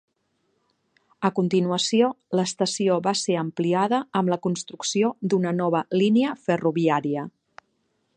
A continuació, l'estació va ser ampliada amb la construcció d'una nova línia ferroviària.